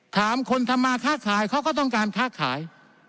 ถามคนทำมาค่าขายเขาก็ต้องการค่าขาย